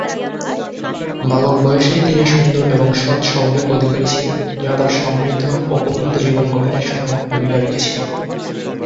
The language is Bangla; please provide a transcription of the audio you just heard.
বালক বয়সেই তিনি সুন্দর এবং সৎ স্বভাবের অধিকারী ছিলেন, যা তাঁর সমৃদ্ধ ও উন্নত জীবন গঠনে সহায়ক ভূমিকা রেখেছিল।